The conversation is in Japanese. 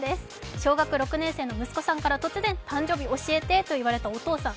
小学６年生の息子さんから突然、誕生日を教えてといわれたお父さん。